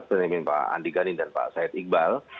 terutama pak andi gani dan pak syed iqbal